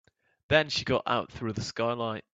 Then she got out through the skylight.